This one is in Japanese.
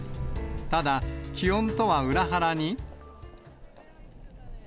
ただ、気温とは裏腹に。